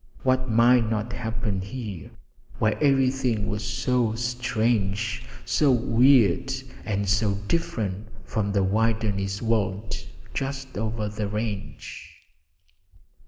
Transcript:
What might not happen here, where everything was so strange, so weird, and so different from the wilderness world just over the range?